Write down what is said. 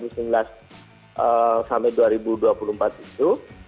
sampai dua ribu dua puluh empat itu